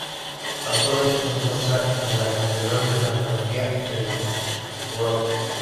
Actualmente se encuentran en la Catedral de Santa Sofía de Nóvgorod.